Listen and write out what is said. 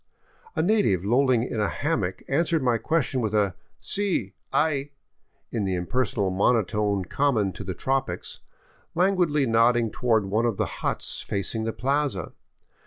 A native lolling in a hammock an swered my question with a " si, hay " in the impersonal monotone common to the tropics, languidly nodding toward one of the huts facing the plaza.